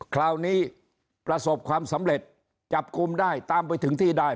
คราวนี้ประสบความสำเร็จจับกลุ่มได้ตามไปถึงที่ได้